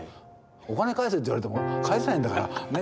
お金返せって言われても返せないんだからねっ。